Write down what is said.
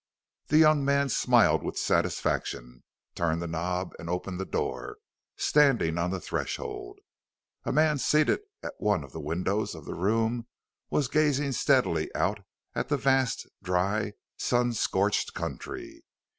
The young man smiled with satisfaction, turned the knob and opened the door, standing on the threshold. A man seated at one of the windows of the room was gazing steadily out at the vast, dry, sun scorched country.